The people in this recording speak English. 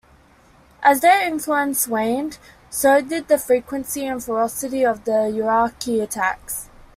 As their influence waned, so did the frequency and ferocity of the Iraqi attacks.